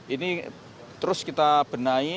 ini terus kita benarkan